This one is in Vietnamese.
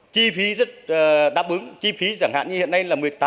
chi phí rất đáp ứng chi phí giảng hạn như hiện nay là một mươi tám